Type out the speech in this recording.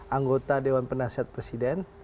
anggota dewan penasihat presiden